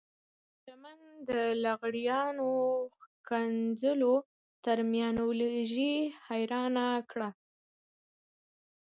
چې د چمن د لغړیانو ښکنځلو ترمینالوژي حيرانه کړه.